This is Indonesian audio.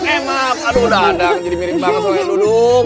emang aduh dadang jadi mirip banget sama yang duduk